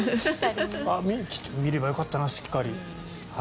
見ればよかったな、しっかり。